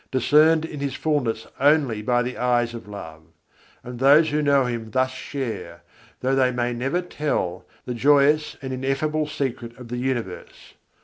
discerned in His fullness only by the eyes of love; and those who know Him thus share, though they may never tell, the joyous and ineffable secret of the universe.